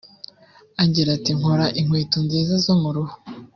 Agira ati “Nkora inkweto nziza zo mu ruhu